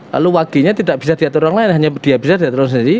lalu waginya tidak bisa diatur orang lain hanya dia bisa diatur sendiri